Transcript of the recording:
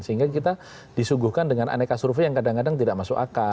sehingga kita disuguhkan dengan aneka survei yang kadang kadang tidak masuk akal